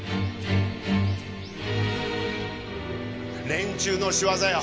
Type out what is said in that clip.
連中の仕業や。